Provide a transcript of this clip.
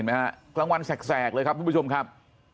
เห็นมั้ยครับครั้งวันแสกเลยครับผู้ประชุมครับ